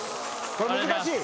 難しい？